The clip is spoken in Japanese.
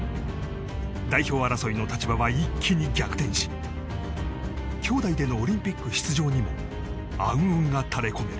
代表争いの立場は一気に逆転し兄妹でのオリンピック出場にも暗雲が垂れ込める。